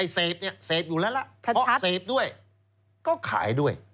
เสภอยู่แล้วเสภด้วยก็ขายด้วย